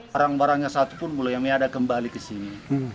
barang barangnya satu pun mulai ada kembali ke sini